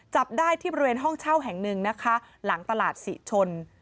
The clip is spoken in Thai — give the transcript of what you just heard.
จับได้ที่ประเมณห้องเช่าแห่งหนึ่งหลังตลาดสิชน